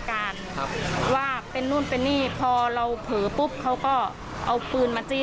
คือมันยืนอยู่ตรงนี้เรานั่งอยู่ตรงนี้